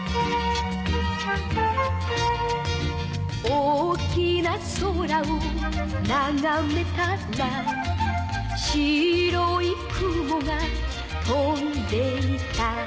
「大きな空をながめたら」「白い雲が飛んでいた」